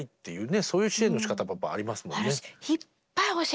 そういう支援のしかたもありますもんね。